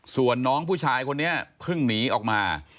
ส่วนน้องผู้ชายคนนี้เพิ่งหนีออกมา